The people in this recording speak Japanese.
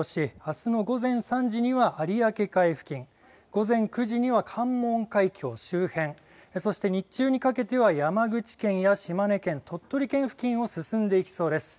あすの午前３時には有明海付近、午前９時には関門海峡周辺、そして日中にかけては山口県や島根県、鳥取県付近を進んでいきそうです。